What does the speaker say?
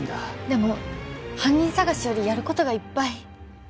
でも犯人捜しよりやることがいっぱい。